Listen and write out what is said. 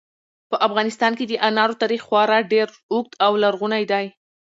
په افغانستان کې د انارو تاریخ خورا ډېر اوږد او لرغونی دی.